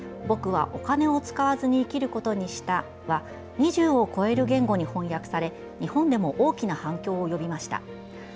「ぼくはお金を使わずに生きることにした」は２０を超える言語に翻訳され日本でも大きな反響を呼びました。